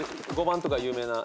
５番とか有名な。